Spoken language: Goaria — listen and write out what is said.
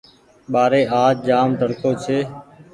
ٻآري آج جآم تڙڪو ڇي۔